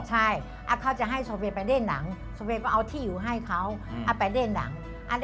ใช่เขาจะให้โซเวย์ไปเล่นหนังโซเวย์ก็เอาที่อยู่ให้เขาเอาไปเล่นหนัง